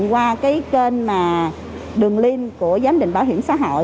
qua cái kênh mà đường liên của giám định bảo hiểm xã hội